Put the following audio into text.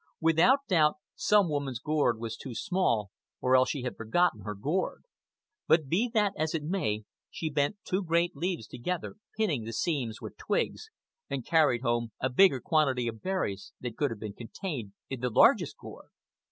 Without doubt, some woman's gourd was too small, or else she had forgotten her gourd; but be that as it may, she bent two great leaves together, pinning the seams with twigs, and carried home a bigger quantity of berries than could have been contained in the largest gourd.